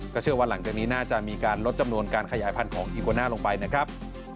เชื่อว่าหลังจากนี้น่าจะมีการลดจำนวนการขยายพันธุ์ของอีโกน่าลงไปนะครับ